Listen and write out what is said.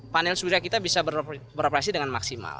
panel surya kita bisa beroperasi dengan maksimal